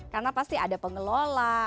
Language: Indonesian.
karena pasti ada pengelola